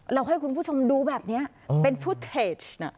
เราให้คุณผู้ชมดูแบบนี้เป็นฟุตเทจนะ